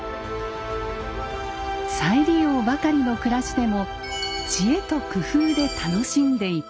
再利用ばかりの暮らしでも知恵と工夫で楽しんでいた。